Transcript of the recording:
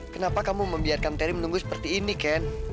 kenapa kamu membiarkan teri menunggu seperti ini ken